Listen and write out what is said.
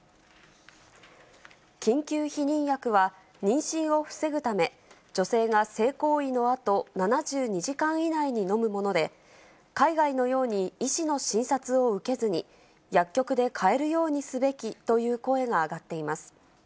緊急避妊薬は、妊娠を防ぐため、女性が性行為のあと、７２時間以内に飲むもので、海外のように医師の診察を受けずに薬局で買えるようにすべきという声が上がっています。